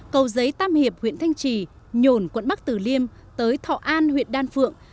cầu giấy tam hiệp huyện thanh trì nhồn quận bắc tử liêm tới thọ an huyện đan phượng